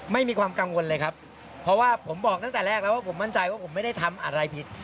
ไม่มีความกังวลเลยครับเพราะว่าผมบอกตั้งแต่แรกแล้วว่าผมมั่นใจว่าผมไม่ได้ทำอะไรผิด